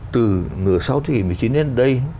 từ nửa sáu thế kỷ một mươi chín đến đây